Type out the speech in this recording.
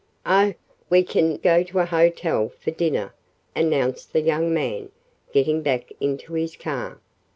"Oh, we can go to a hotel for dinner," announced the young man, getting back into his car.